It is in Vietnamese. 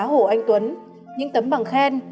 hổ anh tuấn những tấm bằng khen